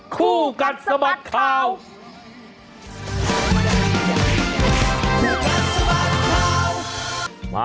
คู่กันสมัสข่าว